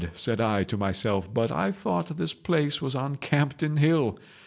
said I to myself, 'but I thought this place was on Campden Hill.